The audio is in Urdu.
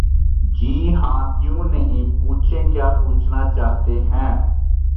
جی ہاں کیوں نہیں...پوچھیں کیا پوچھنا چاہتے ہیں؟